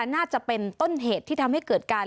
น่าจะเป็นต้นเหตุที่ทำให้เกิดการ